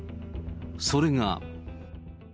それが。